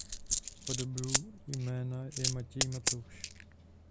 Podobou jména je Matěj a Matouš.